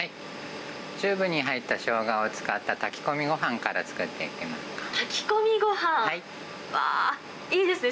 チューブに入ったしょうがを使った炊き込みごはんから作っていきます。